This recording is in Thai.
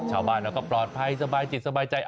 ชาวบ้านเราก็ปลอดภัยสบายจิตสบายใจ